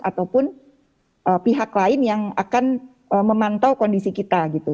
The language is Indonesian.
ataupun pihak lain yang akan memantau kondisi kita gitu